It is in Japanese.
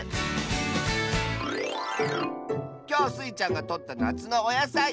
きょうスイちゃんがとったなつのおやさい。